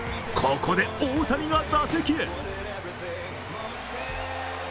ここで大谷が打席へ。